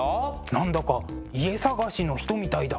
何だか家探しの人みたいだ。